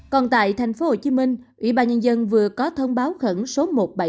còn tại tp hcm ủy ban nhân dân vừa có thông báo khẩn số một trăm bảy mươi bốn